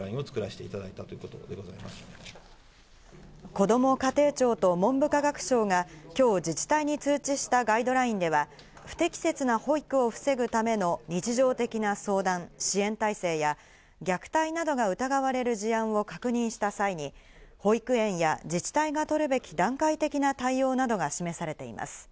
こども家庭庁と文部科学省が今日、自治体に通知したガイドラインでは、不適切な保育を防ぐための日常的な相談・支援体制や虐待などが疑われる事案を確認した際に、保育園や自治体が取るべき段階的な対応などが示されています。